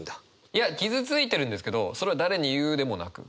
いや傷ついてるんですけどそれは誰に言うでもなく。